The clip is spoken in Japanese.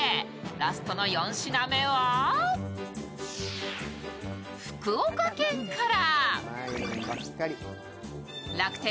ラストの４品目は、福岡県から。